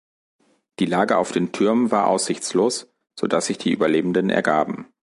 Die Lage auf den Türmen war aussichtslos, so dass sich die Überlebenden ergaben.